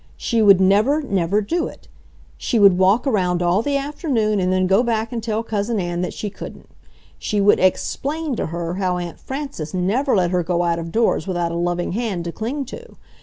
She would never, never do it! She would walk around all the afternoon, and then go back and tell Cousin Ann that she couldn't! She would EXPLAIN to her how Aunt Frances never let her go out of doors without a loving hand to cling to.